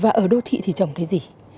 và ở đô thị thì trồng cây gì